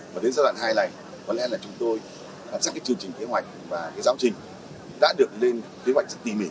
và đến giai đoạn hai này có lẽ là chúng tôi làm các chương trình kế hoạch và cái giáo trình đã được lên kế hoạch rất tỉ mỉ